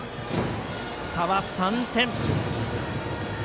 差は３点。